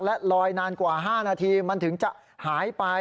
และลอยนานกว่า๕นาทีมันถึงจะหายไป